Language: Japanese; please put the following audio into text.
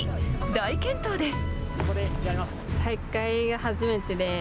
大健闘です。